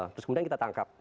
terus kemudian kita tangkap